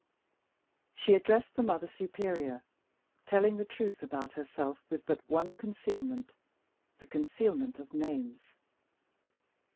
She addressed the Mother Superior; telling the truth about herself with but one concealment, the concealment of names.